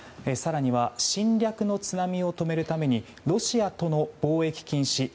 更には侵略の津波を止めるためにロシアとの貿易禁止。